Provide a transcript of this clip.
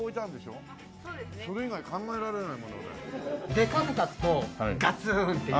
でかく書くと「ガツーン」っていう。